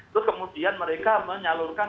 terus kemudian mereka menyalurkan